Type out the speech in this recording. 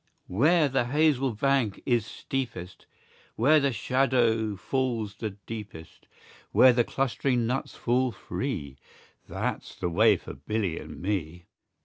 Where the hazel bank is steepest, Where the shadow falls the deepest, Where the clustering nuts fall free. That's the way for Billy and me.